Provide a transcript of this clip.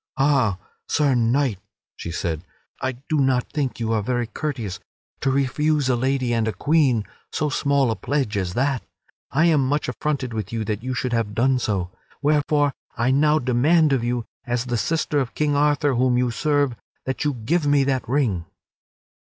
"Ha, Sir Knight," she said, "I do not think you are very courteous to refuse a lady and a queen so small a pledge as that. I am much affronted with you that you should have done so. Wherefore, I now demand of you, as the sister of King Arthur whom you serve, that you give me that ring."